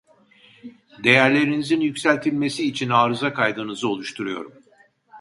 Değerlerinizin yükseltilmesi için arıza kaydınızı oluşturuyorum.